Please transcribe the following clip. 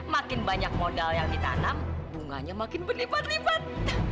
makin banyak modal yang ditanam bunganya makin berlipat lipat